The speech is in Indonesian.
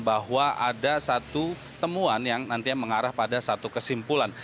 bahwa ada satu temuan yang nantinya mengarah pada satu kesimpulan